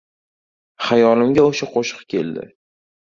Xayolimga o‘sha qo‘shiq keldi.